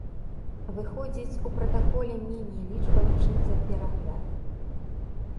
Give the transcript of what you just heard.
Выходзіць, у пратаколе меней лічба, чым за перагляд.